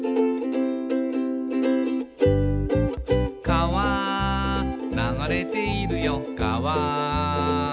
「かわ流れているよかわ」